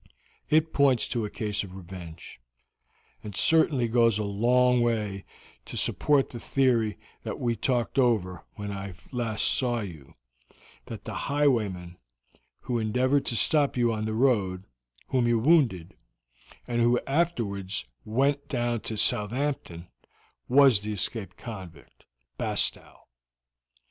It points to a case of revenge, and certainly goes a very long way to support the theory that we talked over when I last saw you, that the highwayman who endeavored to stop you on the road, whom you wounded, and who afterwards went down to Southampton, was the escaped convict, Bastow.